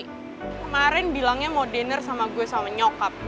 kemarin bilangnya mau diner sama gue sama nyokap